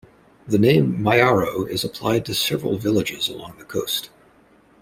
The name Mayaro is applied to several villages along the coast.